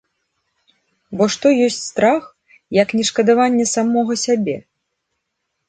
Бо што ёсць страх, як не шкадаванне самога сябе?